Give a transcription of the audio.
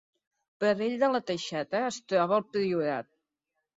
Pradell de la Teixeta es troba al Priorat